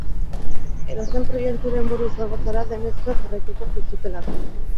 Edozein proiekturen buru izango zara, denek zuri jarraituko dizutelako.